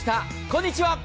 こんにちは。